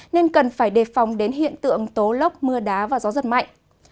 nên cần phải đề phòng đến hiện tượng tố lốc mưa đá và gió giật mạnh